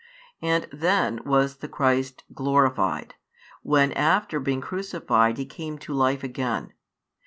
And then was the Christ glorified, when after being crucified He came to life again.